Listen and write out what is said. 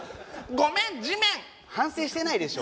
「ごめん地面」反省してないでしょ。